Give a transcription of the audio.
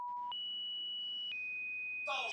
芒西尼亚克人口变化图示